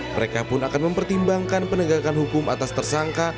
mereka pun akan mempertimbangkan penegakan hukum atas tersangka